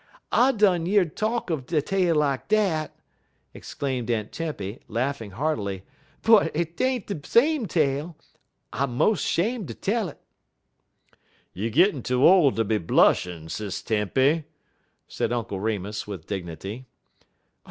"I done year talk uv a tale like dat," exclaimed Aunt Tempy, laughing heartily, "but 't ain't de same tale. I mos' 'shame' ter tell it." "You gittin' too ole ter be blushin', Sis Tempy," said Uncle Remus with dignity.